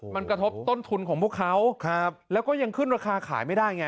มันกระทบต้นทุนของพวกเขาแล้วก็ยังขึ้นราคาขายไม่ได้ไง